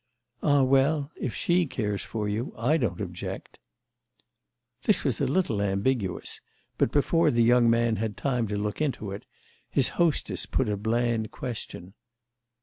"Ah well, if she cares for you I don't object." This was a little ambiguous; but before the young man had time to look into it his hostess put a bland question.